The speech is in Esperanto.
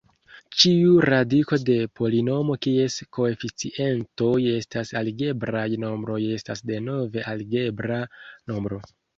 Ĉiu radiko de polinomo kies koeficientoj estas algebraj nombroj estas denove algebra nombro.